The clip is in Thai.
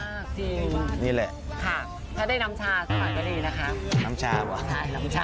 จริงนี่แหละค่ะถ้าได้น้ำชาสาวน์ก็ดีนะคะ